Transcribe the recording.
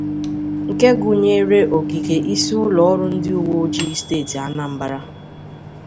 nke gụnyere ogige isi ụlọọrụ ndị uweojii steeti Anambra